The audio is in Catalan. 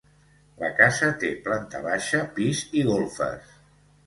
La casa té planta baixa, pis i golfes.